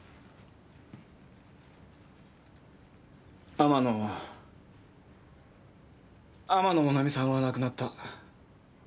天野天野もなみさんは亡くなった。